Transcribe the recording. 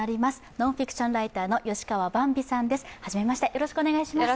ノンフィクションライターの吉川ばんびさんです。